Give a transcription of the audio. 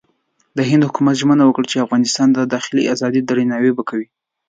د هند حکومت ژمنه وکړه چې د افغانستان د داخلي ازادۍ درناوی به کوي.